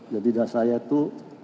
jadi saya itu